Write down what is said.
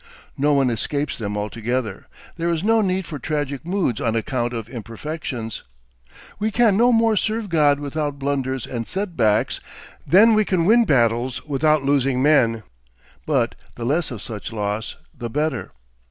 No one escapes them altogether, there is no need for tragic moods on account of imperfections. We can no more serve God without blunders and set backs than we can win battles without losing men. But the less of such loss the better.